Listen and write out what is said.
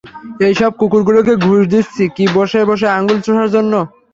এইসব কুকুরগুলোকে ঘুষ দিচ্ছি কি বসে বসে আঙ্গুল চুষার জন্য?